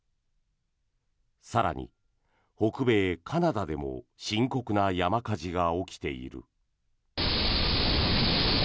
更に、北米カナダでも深刻な山火事が起きている。